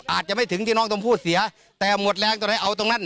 อาจจะไม่ถึงที่น้องชมพู่เสียแต่หมดแรงตรงไหนเอาตรงนั้น